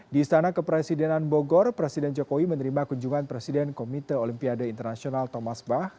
di istana kepresidenan bogor presiden jokowi menerima kunjungan presiden komite olimpiade internasional thomas bah